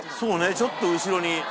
ちょっと後ろに。